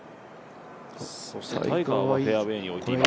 そしてタイガーはフェアウエーに置いてます。